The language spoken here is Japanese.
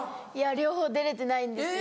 両方出れてないんですよ。